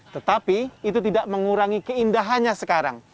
tetapi itu tidak mengurangi keindahannya sekarang